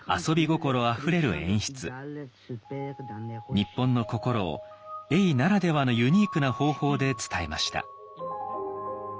日本の心を永ならではのユニークな方法で伝えました。